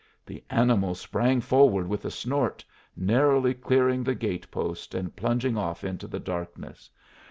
The animal sprang forward with a snort, narrowly clearing the gate post, and plunged off into the darkness.